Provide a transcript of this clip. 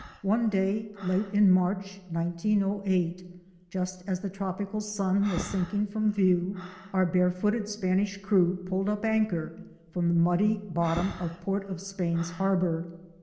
NE day late in March, just as the tropical sun was sinking from view, our barefooted Spanish crew pulled up anchor from the muddy bottom of Port of Spain's har bor.